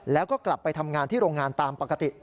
แล้วก็กลับไปทำงานที่โรงงานตามปกติ